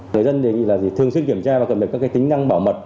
người dân đề nghị là thường xuyên kiểm tra và cập nhật các tính năng bảo mật